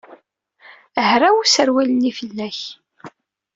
Hraw userwal-nni fell-ak.